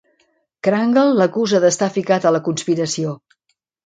Crangle l'acusa d'estar ficat a la conspiració.